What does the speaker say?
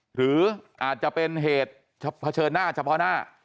หรืออาจจะเป็นเหตุเผชิญหน้าเฉพาะหน้า